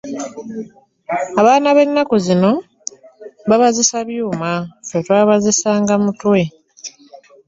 Abaana b'ennaku zino babazisa byuma, ffe twakozesanga mitwe.